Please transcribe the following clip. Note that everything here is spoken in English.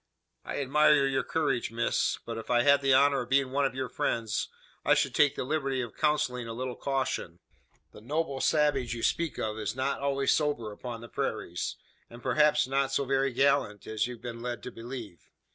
"I admire your courage, miss; but if I had the honour of being one of your friends, I should take the liberty of counselling a little caution. The `noble savage' you speak of, is not always sober upon the prairies; and perhaps not so very gallant as you've been led to believe.